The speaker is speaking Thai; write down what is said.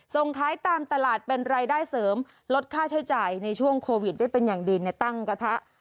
ส่งขายตามตลาดเป็นรายได้เสริมลดค่าใช้จ่ายในช่วงโควิดได้เป็นอย่างดีในตั้งกระทะ